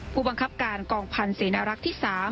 ผู้บังคับการกองพันธ์เสนารักษ์ที่๓